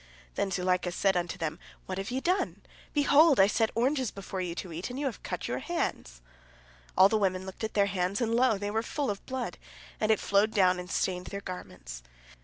Then Zuleika said unto them: "What have ye done? Behold, I set oranges before you to eat, and you have cut your hands." All the women looked at their hands, and, lo, they were full of blood, and it flowed down and stained their garments.